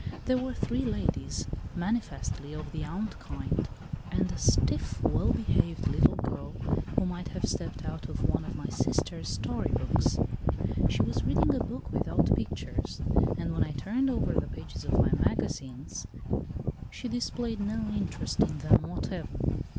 There were three ladies, manifestly of the aunt kind, and a stiff, well behaved little girl who might have stepped out of one of my sister's story books. She was reading a book without pictures, and when I turned over the pages of my magazines she displayed no interest in them whatever.